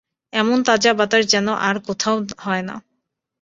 এমন তাজা বাতাস যেন আর কোথাও হয়না।